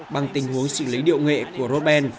bằng tình huống xử lý điệu nghệ của robben